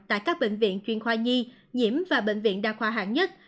tại các bệnh viện chuyên khoa nhi nhiễm và bệnh viện đa khoa hạng nhất